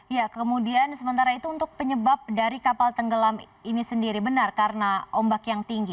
ya kemudian sementara itu untuk penyebab dari kapal tenggelam ini sendiri benar karena ombak yang tinggi